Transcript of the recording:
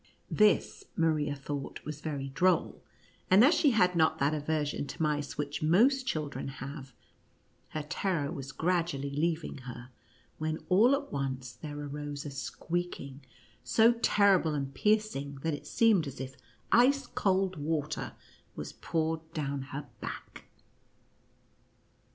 This Maria thought was very droll, and as she had not that aversion to mice which most children have, her terror was gradually leaving her, when all at once there arose a squeaking so terrible and piercing, that it seemed as if ice cold water was poured down her back.